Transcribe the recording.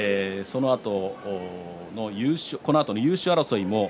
このあとの優勝争い